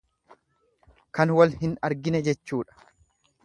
Kan wal hin argine jechuudha.